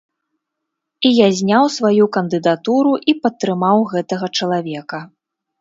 І я зняў сваю кандыдатуру і падтрымаў гэтага чалавека.